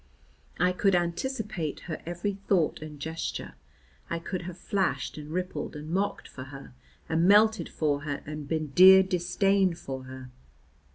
I could anticipate her every thought and gesture, I could have flashed and rippled and mocked for her, and melted for her and been dear disdain for her.